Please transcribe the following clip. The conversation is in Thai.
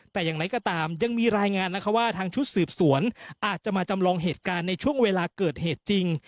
แต่อย่างไรก็ตามยังมีรายงานนะคะว่าทางชุดสืบสวนอาจจะมาจำลองเหตุการณ์ในช่วงเวลาเกิดเหตุจริง